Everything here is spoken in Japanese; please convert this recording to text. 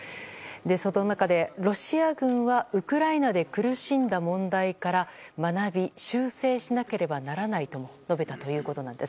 その中で、ロシア軍はウクライナで苦しんだ問題から学び、修正しなければならないとも述べたということです。